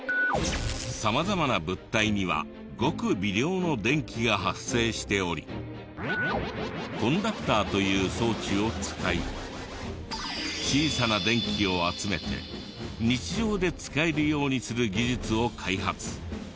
様々な物体にはごく微量の電気が発生しておりコンダクターという装置を使い小さな電気を集めて日常で使えるようにする技術を開発。